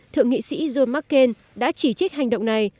thượng nghị sĩ john mccain đã chỉ trích hành động này